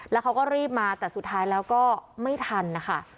แล้วเขาก็รีบมาแต่สุดท้ายแล้วก็ไม่ทันนะคะ